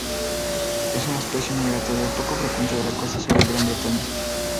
Es una especie migratoria poco frecuente en la costa sur de Gran Bretaña.